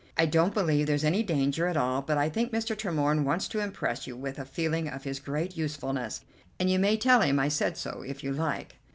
I don't believe there's any danger at all, but think Mr. Tremorne wants to impress you with a feeling of his great usefulness, and you may tell him I said so if you like.